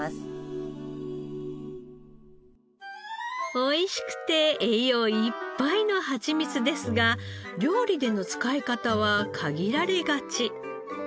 おいしくて栄養いっぱいのハチミツですが料理での使い方は限られがち。